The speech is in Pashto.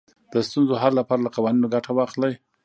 د ستونزو حل لپاره له قوانینو ګټه واخلئ.